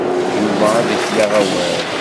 Yuba ad ak-yaɣ awal.